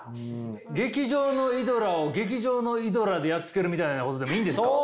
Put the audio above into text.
劇場のイドラを劇場のイドラでやっつけるみたいなことでもいいんですか？